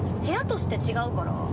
部屋として違うから。